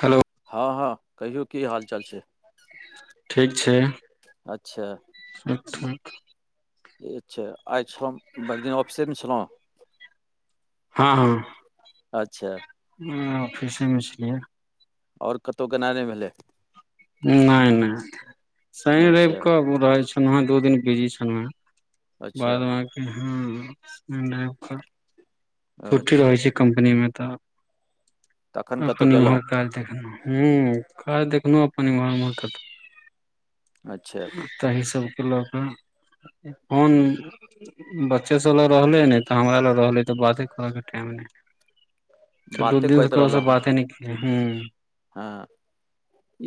Hello हँ हँ कहियौ की हालचाल छै ठीक छै अच्छा सब ठीक अच्छा आइ छलहुँ भइर दिन ऑफिसेमे छलहुँ हँ हँ अच्छा हँ ऑफिसे में छलियए आओर कतहु केना नय भेलै नय नय सुइन रइव अच्छा कऽ ओ रहै छलहु हेँ दू दिन बिजी छलहु हँ अच्छा बाद बांकी हं छुट्टी अच्छा रहै छै तखन कतहु गेलहुँ [unintelligible] हँ काज देखलहु अपन इम्हर उम्हर कत अच्छा तहि सबके लऽ कऽ फोन बच्चे सब लए रहले ने तऽ हमरा लग रहलै तऽ बाते करै के टाइम नय त दू बाते दिन से करैत को स रहलहुँ हँ बाते नय केलिय हँ हँ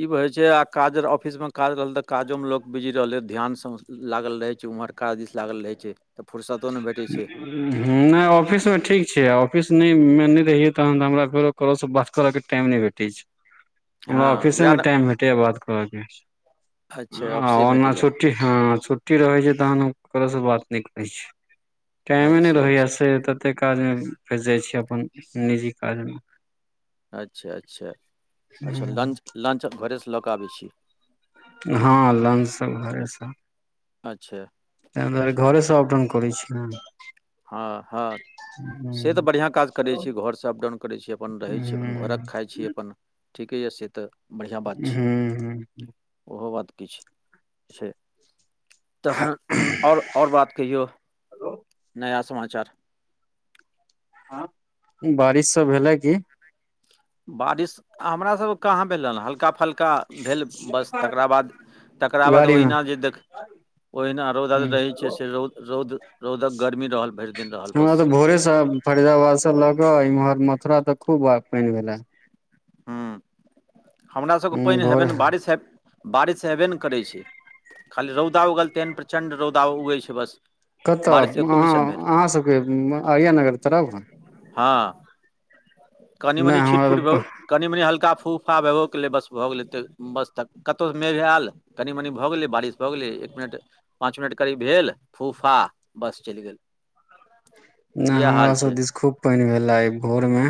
ई बे छै आ काज ऑफिस में काज रहल तऽ काजों में लोक बिजी रहले ध्यान स लागल रहै छै उम्हर काज दिस लागल रहै छै तऽ फुर्सतो नहि भेटै [inaudible] छै हँ नय ऑफिसमे ठीक छै ऑफिस नय में नय रहियै तहन तऽ हमरा फेरो ककरो स बात करऽ के टाइम नइ भेटै छै ह हमरा ऑफिसे मे टाइम भेटैय बात करऽ के अच्छा आ ऑफिसेमे ओना भेटैए छुट्टी हँ छुट्टी रहे छै तहन हम करोसँ बात नय करै छी टाइमे नै अच्छा रहय यै अच्छा से तते काज मे भिर जाय छी अपन निजी काज मे। अच्छा-अच्छा-अच्छा लंच-लंच घरे से लऽ कऽ आबय छी। हां लन्च सब घरे से अच्छा। तै दुआरे अच्छा घरे से अप-डाउन करय छी हम। हां-हां। से तै बढ़िया काज करय छीयै, घर से अप-डाउन करय छीयै, अपन रहय छीयै, अपन घरक ह खाय छीयै अपन। ठीके यै से तै बढ़िया बात छियै। ह उहो बात किछ छै तखन उम्म और-और बात कहियौ? नया समाचार? हां बारिश सब भेलय की? बारिश, अ हमरा सबके कहाँ भेल हेन हल्का फल् का भेल बस तकरा बाद तकरा बाद गाड़ी ओहना जे देख ओहना रौदा जे मे रहय छै से रौद-रौद रौदक गर्मी रहल भैर दिन रहल हमरा बस तै भोरे से फरीदाबाद से ल क इम्हर मथुरा तक खूब आय पैन भेल ऐ। हुं हमरा सबके ह पैन भोर हेबै नै बारिश हैब बारिश हेबय नै करय छै, खाली रौदा उगल तेहेन प्रचण्ड रौदा उगय छै बस कतऽ बारिश से एको मिशन भेल अहाँ-अहाँ सबके अरिया नगर तरफ? हां। नहि कनि-मनि छीट-फुट भो हमरा कनि-मनि हल्का फूफा भेबो केलय बस भऽ गेलय तऽ बस तक कतो मेघ ऐल कनि-मनि भऽ गेलय बारिश भऽ गेलय एक मिनट पाँच मिनट करीब भेल फूफा बस चैल गेल। नै इएह हमरा हाल छै सब दिस खूब पैन भेल आय भोर मे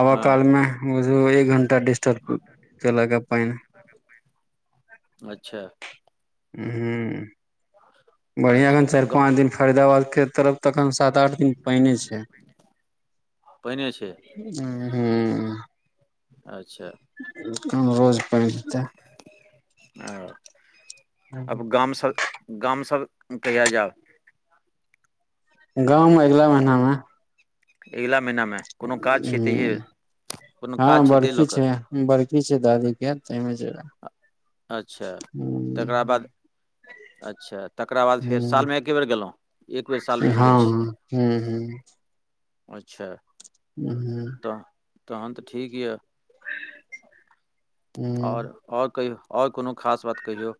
आबा हँ काल मे बुझियौ एक घंटा डिस्टर्ब केलक ऐ पैन। सगरे पैन, अच्छा हुं बढ़िया नै चाएर अच्छा पाँच दिन फरीदाबाद के तरफ तखन सात-आठ दिन पईने छै, पाइने छै ह-हुं। अच्छा। ऐखन रोज परय छै। औ आब गाम सब गाम सब कहिया जाब गाम अगिला महीना मे। अगिला महीनामे कोनो काज छैे तहीए ह कूनू काज छै तै लऽ कऽ बरखी छै दादी के तै मे जैबय। अच्छा तकरा बाद अच्छा तकरा बाद फेर साल मे एके बेर गेलौं, एक बेेर साल मे जाए छी। हूं-हूं। अच्छा। हुं। अह तहन तै ठीक यै और और कहियौ और कुनू खास बात कहियौ।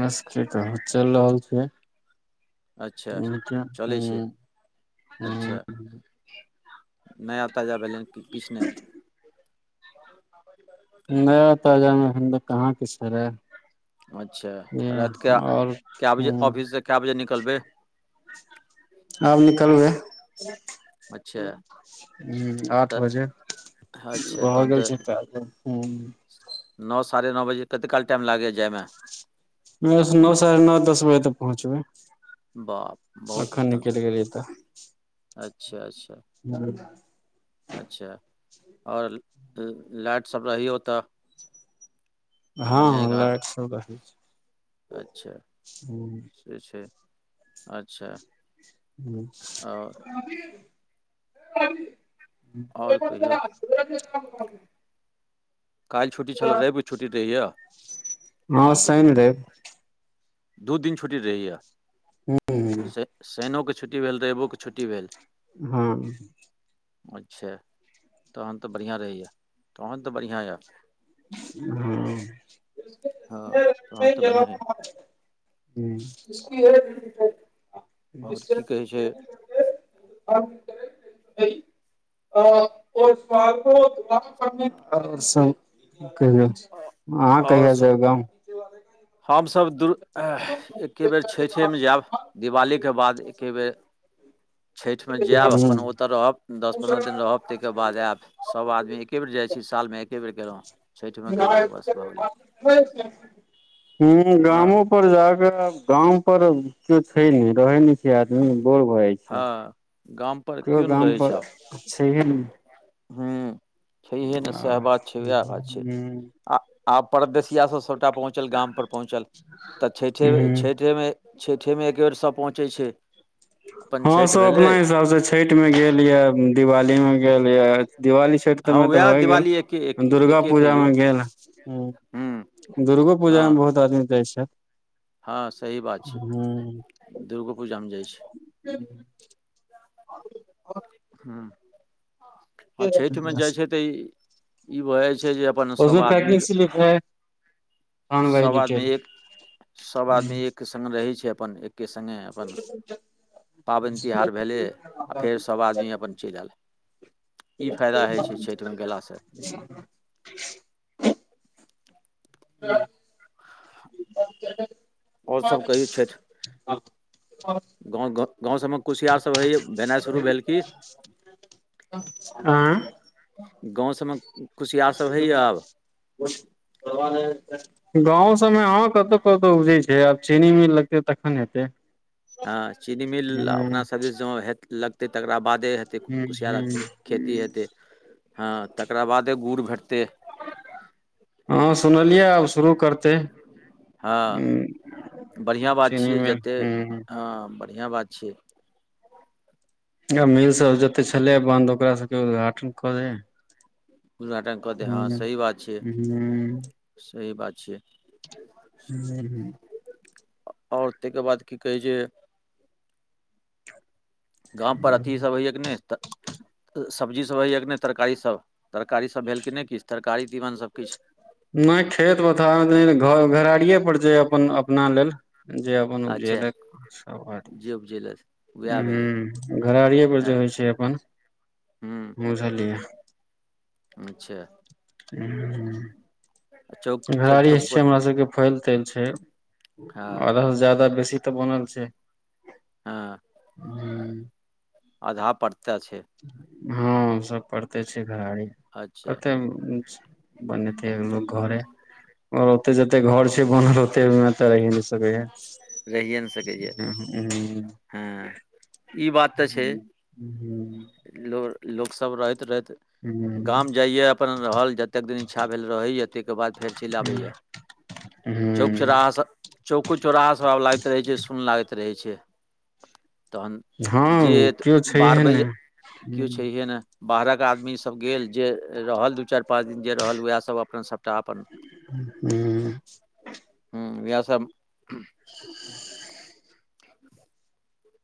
बस कही तै चैल रहल छै। अच्छा नै तै चलै छै हुं-हुं। अच्छा नया ताजा भेलैन की किछ नै। [unintelligible] नया-ताजा मे अखन तऽ कहाँ किछो रहै। अच्छा राएत के आओर काए बजे हूँ ऑफिस से काए बजे निकलबै। आब निकलबै। अच्छा हुं आठ तऽ बजे अच्छा भऽ तहन गेल छै टाइम। हूँ। नौ साढ़े नौ बजे कते काल टाइम लागैया जाय मे। बस नौ साढ़े नौ दस बजे तक पहुँचबै। बाप अखन निकल गेली तऽ। अच्छा-अच्छा। [unintelligible] अच्छा और ल लाइट सब रहैया ओता। हां-हां लाइट सब रहै छै, हुं। जे छै अच्छा। आओर [unintelligible] आओर कहियौ [unintelligible] काएल छुट्टी छलौ, रैब के छुट्टी दै या। हां सैन, रैब। दु दिन छुट्टी दैया। हुं। सै-शैनो के छुट्टी भेल, रैबो के छुट्टी भेल। हां। अच्छा तहन तऽ बढ़ियाँ रहैया, तहन तऽ बढ़ियाँ यऽ। हँ तहन तऽ हां। बढ़िआँ यऽ हुं। आओर की कहै छै [unintelligible] और सब की कर रहल छी, अहाँ कहिया जाएब गाम। हम सब दु एह एके बेर छैठे मे जाएब, दिवाली के बाद एके बेर छैठ मे जाएब हूँ अपन ओतऽ रहब। दस-पंद्रह दिन रहब तै के बाद आएब, सब आदमी एके बेर जाय छी साल मे एके बेर गेलौ। छैठ मे गेलौ बस। हुं हमरा गामो पर जाके आब गाम पर कियौ छै ने रहै नै छै आदमी बोर भऽ जाय हां गाम पर कियौ नै रहै छै आब। छैहये नु। हुं छैहये नै साएह बात छै, वाएह बात छै। हूँ आ आब परदेशिया सब सबटा पहुँचल, गाम पर पहुँचल। तऽ छैठे, हूँ छैठे मे छैठे मे एक बेर सब पहुँचै छै। अपन हां छठि सब भेलै अपना हिसाब से छैठ मे गेल या, दिवाली मे गेल या, दिवाली छैठ त हँ मे तऽ उएह भए गेल, दिवाली एके एके दुर्गा एके पूजा कहियौ मे गेल हे हुं। हूँ दुर्गो पूजा मे बहुत आदमी जाय छै। हां सही बात छै, दुर्गो पूजा मे जाय छै। हुं। ह, आ छइठमे जाइ छै तऽ ई ई भ जाय छै जे अपन सभ उसमे आदमी पैकिंग र स्लिप है ऑन बाइ सब आदमी डिटेल एक सब आदमी एके संगे रहैय छै अपन के संगे अपन पाबैइन तिहार भेलै आर फेर सब आदमी अपन चइल आयल। ई फायदा होइ छै छठि मे गेलासँ [unintelligible] ह आओर सब कहियौ छथि गाँव ग गाँंव सब में कुसियार सब होय या भेनाइ शुरू भेल की? आँ गाँव सब मे कुसियारसब होइया आब। [unintelligible] गाँंव सबमे हँ कतौउ कतौउ उपजैत छै आब चीनी मिल लगतै तखन हेतैय। हँ चीनी मिल अपना सब दिस ज हे लगतै तकरा बाद दे हेतेय कुसियारा खेती हेते हँ तकरा बादे गुड़ भेटतेय। हँ सुनलियै आब शुरू करतैय हँ हु। बढ़िआँ बात छियै जते हँ बढ़िआँ बात छियै। मिल सब जते छल ह बन्द ओकरा सबके उद्घाटन कर दै। उद्घाटन कऽ दे हँ सही बात छियै सही बात छियै। हुं हुं। और ताहिके बाद की कहै छै। गाम पर अथी सब होइय कि नहि त सब्जीसब होइया कि नहि तरकारीसब तरकारीसब भेल कि नहि किछ तरकारी तीमनसब किछ। नहि खेत पथार [unintelligible] घरड़िए पर जाइ अपन अपना लेल। जे अपन अच्छा उपजेल सब। जे [unintelligible] उपजेलथि उएह भेलै हु घरड़िए पर ज होइ छै अपन हूँ बुझलियै। अच्छा। ह। आ चौ घरारी छै हमरा सबके फैल तैल छै हँ आधा से जादा बेसी तऽ बनल छै। हँ। हू। आधा पड़ता छै। हुं सब परते छै घराड़ी अच्छा कते ऊ बनेतैय लोक घरे ओ ओते जते घर छै बनल ओते ओहिमे तऽ रहि नय सकैया। कहिए नहि सकैया। उहू उहून। हुं ई बात तऽ छै लोक लोक सब रहैत रहैत ह गाम जाइया अपन रहल जतेेक दिन इच्छा भेल रहय या ताहि के बाद फेर चलि आबे या। हुं। चौको चौराहा सब आब लागैत रहै छै सुन लागैत रहै छै। तखन हँ जेत केओ छैहे ने बारबैय केओ छैहे ने। बाहरक आदमी सब गेल जे रहल दू चारि पाँच दिन जे रहल उहा सब अपन सब हू। हु वैह सब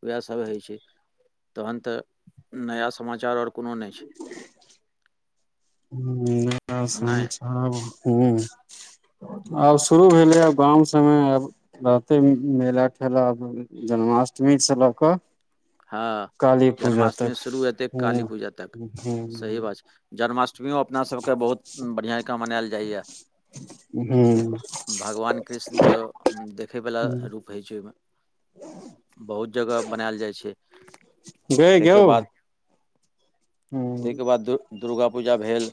उएहसभ होइ छै, तहन तऽ नया समाचार आओर कोनो नहि छै। हू नया नहि समाचार हूं। आब शुरू भेले आब गाम सबमें, आब रहते मेला ठेला। जन्माष्टमी से लऽ कऽ। हँ। काली पूजा तक जन्माष्टमी शुरू हेतै ह काली पूजा तक, सही बात छै, जन्माष्टमीयो अपना सबके बहुत बढ़िआँ जकाँ मनायल जाइए। ह भगवान कृष्णके देखे वला रूप होइ छै ओहिमे, बहुत जगह बनायल जाइ छै। ताहिके बाद [unintelligible] ह ताहिके बाद दुर्गा पूजा भेल।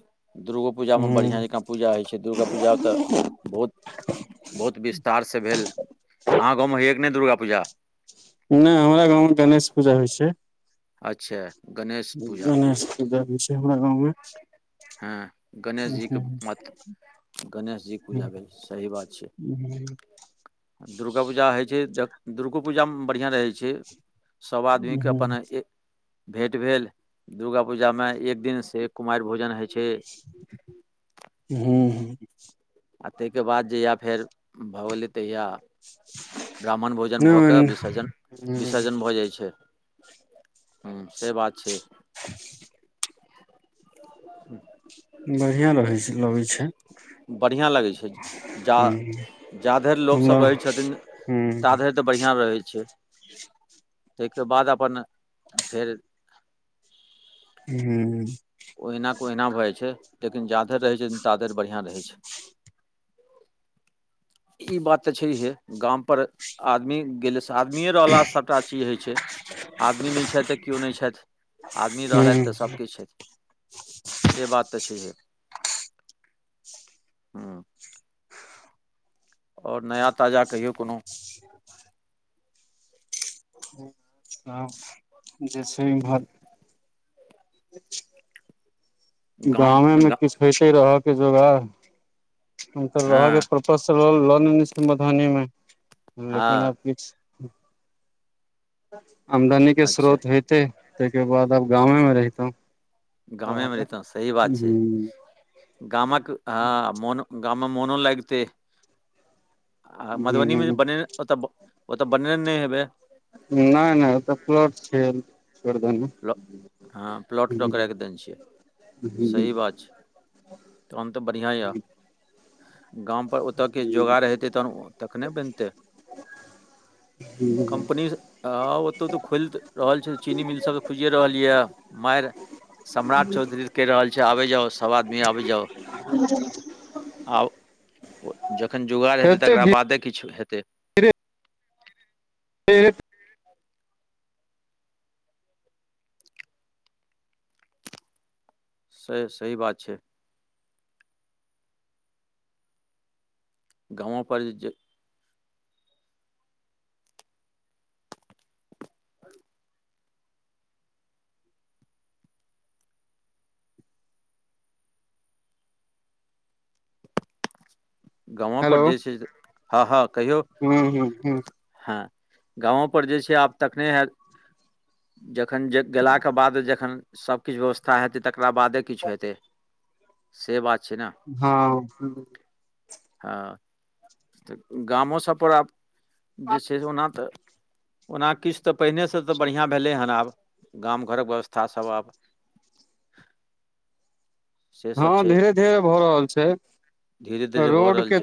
दुर्गाओ पूजा में बढ़िआँ जकाँ पूजा होइ छै, दुर्गा पूजा तऽ बहुत- बहुत विस्तारसँ भेल, अहाँ गाँवमे होइय कि नै दुर्गा पूजा। नहि हमरा गाँवमे तऽ गणेश पूजा होइ छै। अच्छा! गणेश पूजा गणेश पूजा होइ छै, हमरा गाँवमें। हँ गणेश जीे के मात्र। गणेश जीके पूजा भेल सही बात छै। दुर्गा पूजा होइ छै, ज दुर्गो पूजामे बढ़िआँ रहै छै। सब आदमी ह के अपन भेट भेल, दुर्गा पूजा में एक दिन से कुमाईर भोजनइ है हूं- हूं। आ ताहिके बाद जहिया फेर भऽ गेलै तहिया। ब्राह्मण भोजन भऽ कऽ, नहि विसर्जन- विसर्जन भऽ जाइ छै। हू से बात छै। बढ़ियां रहै छै, लगैत छै। बढ़िआँ लगै छै हुं जा- जा धरि लोकसब मतलब रहै छथिन, हुं ता धरि बढ़िआँ रहै छै, ताहिके बाद अपन फेर हूं। हूं। ओहिना कऽ ओहिना भऽ जाइ छै, लेकिन जाधरि रहै छै ताधरि बढ़िआँ रहै छै। ई बात ते छैहियै, गाम पर आदमी गेले तऽ आदमिए रहला से सभटा चीज होइ छै, आदमी नहि छथि त केओ नहि छथि। आदमी रहलथि हुं तऽ सभ किछु छै। से बात तऽ छैहे। हूँ आओर नया ताजा कहियौ कोनो। हं जे छै एमहर। गाम गामे में गा किछ होते रहऽ के जोगार, हनकर रह के हँ प्र फसल ओर लऽ लेने मधुबनी मे लेकिन हँ आब किछ। आमदनी के अच्छा स्रोत हैय तै तैय के बाद अब गाँमे में में रहितौं। गामे मे हुं रैहतौ, सही बात छै। हुं गामक ह मोन गाम मे मोनो लैगतेै, आ मधुबनी मे नहि बने ओतऽ ओतऽ बनेने नै हेबै? नैय -नैय ओतऽ प्लट छैय। गर्दन मे प्लॉ हँ प्लॉट लऽ हू, कऽ राखि देने छियै हू। सही बात छै तहन तऽ बढ़ियां या। गाम पर ओतऽ किछ जोगाड़ हेतै, तहन तखने बनतै। हुँ। कम्पनी हँ, ओतौ तऽ खोल रहल छैय, चीनी मिल सब तऽ खुजिए रहल या मैर। सम्राट चौधरी कैह रहल छै, आबै जाउ! सब आदमी आबै जाउ! आब जखन जुगाड़ हेतै, तकरा बादे किछो हेतै। [unintelligible] से सही बात छैय। गाँव पर जे गाँव पर हेलो जे छै, हँ -हँ कहियौ। हुं हुं हुं हँ, गाँवो पर जे छैय, आब तखने हेऽत। जखन जे गेलाके बाद जखन सब किछ व्यवस्था हेतै, तकरा बादे किछो हेतै, से बात छैय न। हँ। हँ, तऽ गामो सब पर आब, जे छैय से ओना तऽ ओना किछ तऽ, पहिने सँ तऽ बढ़ियां भेलै हन आब। गाम घर क व्यवस्था सब आब। से सब हँ छै धीरे -धीरे भऽ रहल छैय। धीरे धीरे भऽ रहल छैय।